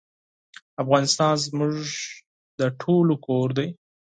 افغانستان زموږ ټولو کور دی